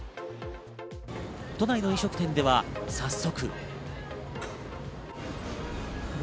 都内の飲食店では早速。